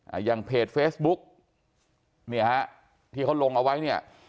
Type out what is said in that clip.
อย่างเพจเฟซบุ๊กเนี่ยฮะที่เขาลงเอาไว้เนี่ย